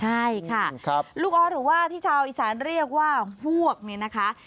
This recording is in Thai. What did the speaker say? ใช่ค่ะลูกออสหรือว่าที่ชาวอีสานเรียกว่าพวกเนี่ยนะคะ